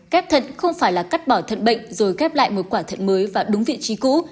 ghép thận không phải là cắt bỏ thận bệnh rồi ghép lại một quả thận mới và đúng vị trí cũ